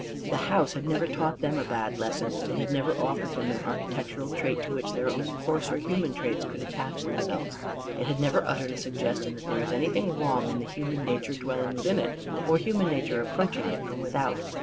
The house had never taught them a bad lesson; it had never offered them an architectural trait to which their own coarser human traits could attach themselves. It had never uttered a suggestion that there is anything wrong in the human nature dwelling within it or human nature approaching it from without.